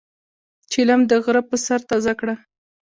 چیلم د غرۀ پۀ سر تازه کړه.